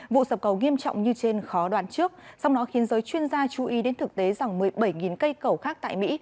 vụ sập cầu nghiêm trọng như trên khó đoán trước sau đó khiến giới chuyên gia chú ý đến thực tế rằng một mươi bảy cây cầu khác tại mỹ